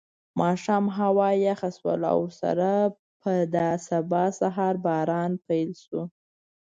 ماښام هوا یخه شوه او ورسره په دا سبا سهار باران پیل شو.